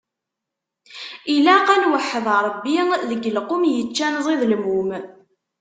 Ilaq ad nweḥḥed Ṛebbi, deg lqum yeččan ẓidelmum.